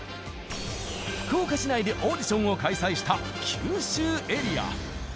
福岡市内でオーディションを開催した九州エリア。